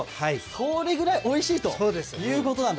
それぐらい、おいしいということなんだ。